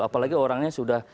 apalagi orangnya sudah